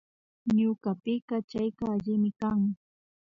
Ñukapika chayka allimi kan